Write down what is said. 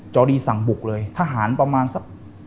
จอดีสั่งบุกเลยทหารประมาณสัก